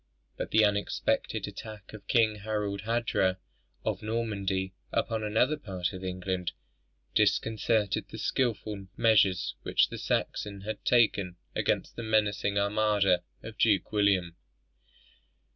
But the unexpected attack of King Harald Hardrada of Norway upon another part of England, disconcerted the skilful measures which the Saxon had taken against the menacing armada of Duke William.